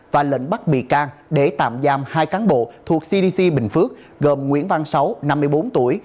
và lệnh bắt bị can để tạm giam hai cán bộ thuộc cdc bình phước gồm nguyễn văn sáu năm mươi bốn tuổi